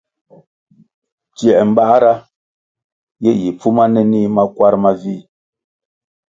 Tsiē mbāra ye yi pfuma nenih makwar mavih,